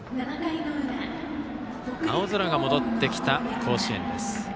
青空が戻ってきた甲子園です。